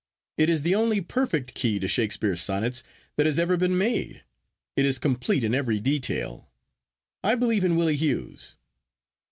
It is the only perfect key to Shakespeare's Sonnets that has ever been made. It is complete in every detail. I believe in Willie Hughes.